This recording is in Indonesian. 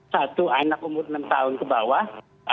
satu anak umur enam tahun ke bawah